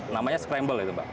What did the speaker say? namanya scramble itu mbak